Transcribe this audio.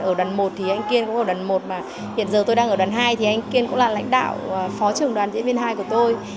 ở đoạn một thì anh kiên cũng ở một mà hiện giờ tôi đang ở đoàn hai thì anh kiên cũng là lãnh đạo phó trưởng đoàn diễn viên hai của tôi